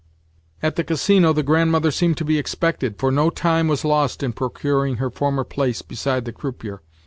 At the Casino the Grandmother seemed to be expected, for no time was lost in procuring her former place beside the croupier.